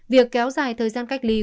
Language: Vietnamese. việc kéo dài thời gian cách ly